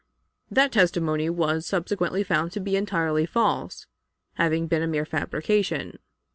That testimony was subsequently found to be entirely false, having been a mere fabrication.